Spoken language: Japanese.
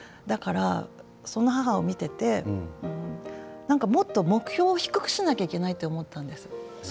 そんな母を見ていてもっと目標を低くしなくてはいけないと思ったんです。